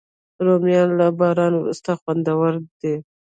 رومیان له باران وروسته خوندور وي